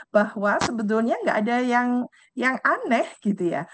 bahwa sebetulnya nggak ada yang aneh gitu ya